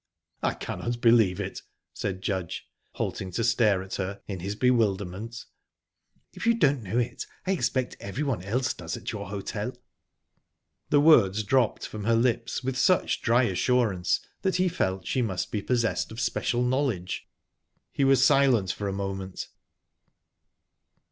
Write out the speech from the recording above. "I cannot believe it," said Judge, halting to stare at her, in his bewilderment. "If you don't know it, I expect everyone else does at your hotel." The words dropped from her lips with such dry assurance that he felt she must be possessed of special knowledge. He was silent for a moment.